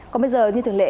còn bây giờ như thường lệ